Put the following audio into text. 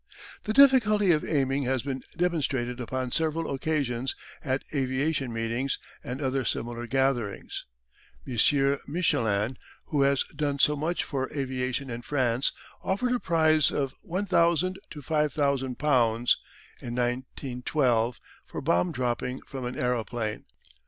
The difficulty of aiming has been demonstrated upon several occasions at aviation meetings and other similar gatherings. Monsieur Michelin, who has done so much for aviation in France, offered a prize of L1,00 $5,000 in 1912 for bomb dropping from an aeroplane.